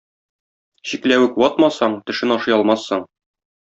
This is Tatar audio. Чикләвек ватмасаң, төшен ашый алмассың.